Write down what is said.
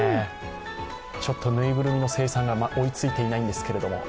ちょっとぬいぐるみの生産が追いついていないんですけれども。